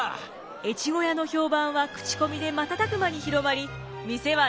越後屋の評判は口コミで瞬く間に広まり店は大繁盛！